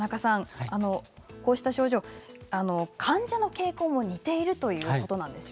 こうした症状、患者の傾向も似ているということなんですね。